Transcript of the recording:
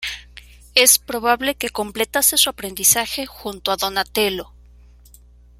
Es probable que completase su aprendizaje junto a Donatello.